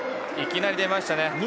いきなり出ましたね。